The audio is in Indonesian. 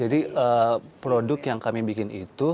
jadi produk yang kami bikin itu